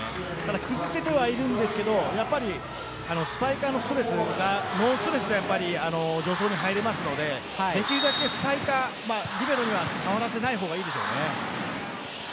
崩せてはいるんですがスパイカーはノーストレスで助走に入れるのでできるだけ、リベロには触らせない方がいいです。